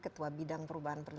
ketua bidang perubahan pembangunan